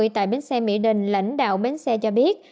tại bến xe mỹ đình lãnh đạo bến xe cho biết